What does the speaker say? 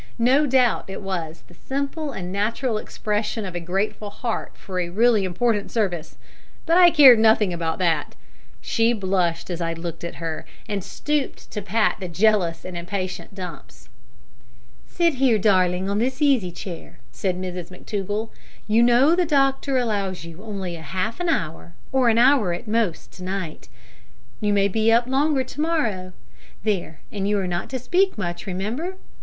No doubt it was the simple and natural expression of a grateful heart for a really important service; but I cared nothing about that. She blushed as I looked at her, and stooped to pat the jealous and impatient Dumps. "Sit here, darling, on this easy chair," said Mrs McTougall; "you know the doctor allows you only half an hour or an hour at most to night; you may be up longer to morrow. There; and you are not to speak much, remember.